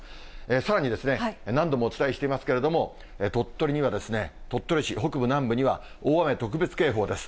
さらに何度もお伝えしていますけれども、鳥取には鳥取市北部、南部には大雨特別警報です。